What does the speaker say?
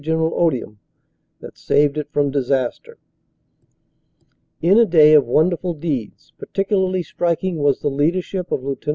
General Odium, that saved it from disaster. 262 CANADA S HUNDRED DAYS In a day of wonderful deeds, particularly striking was the leadership of Lieut.